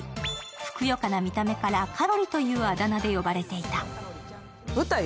ふくよかな見た目から「かろり」というあだ名で呼ばれていた。